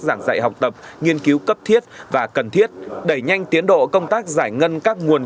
giảng dạy học tập nghiên cứu cấp thiết và cần thiết đẩy nhanh tiến độ công tác giải ngân các nguồn